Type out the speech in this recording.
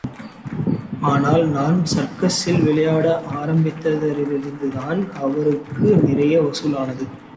ஆனால் நான் சர்க்கஸில் விளையாட ஆரம்பித்ததிலிருந்துதான் அவருக்கு நிறைய வசூலானது.